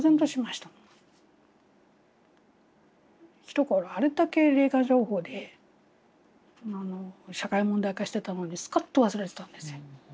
ひところあれだけ霊感商法で社会問題化してたのにスカッと忘れてたんですよ。